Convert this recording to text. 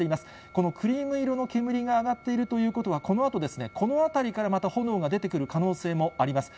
このクリーム色の煙が上がっているということは、このあと、この当たりからまた炎が出てくる可能性もあります。